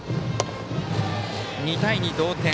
２対２、同点。